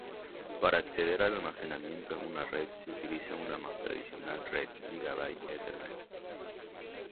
Para acceder al almacenamiento en red se utiliza una más tradicional red Gigabit Ethernet.